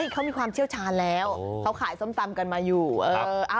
เขามีความเชี่ยวชาญแล้วเขาขายส้มตำกันมาอยู่